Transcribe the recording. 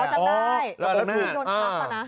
อ๋อจำได้แล้วตอนนี้ก็กลัวเผ็ด